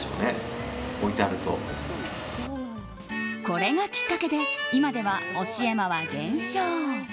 これがきっかけで今では教え魔は減少。